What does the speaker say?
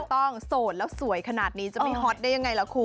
ต้องโสดแล้วสวยขนาดนี้จะไม่ฮอตได้ยังไงล่ะคุณ